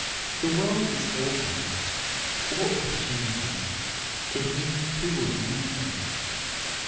The world is all gates, all opportunities to him who will use them.